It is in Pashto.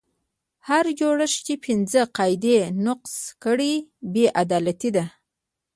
هر جوړښت چې پنځه قاعدې نقض کړي بې عدالتي ده.